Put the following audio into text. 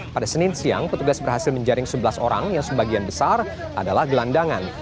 pada senin siang petugas berhasil menjaring sebelas orang yang sebagian besar adalah gelandangan